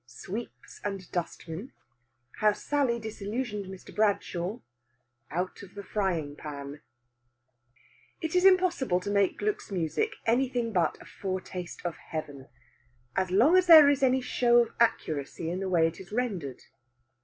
SWEEPS AND DUSTMEN. HOW SALLY DISILLUSIONED MR. BRADSHAW. OUT OF THE FRYING PAN It is impossible to make Gluck's music anything but a foretaste of heaven, as long as there is any show of accuracy in the way it is rendered.